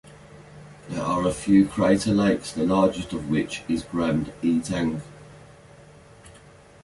There are a few crater lakes, the largest of which is Grand Etang.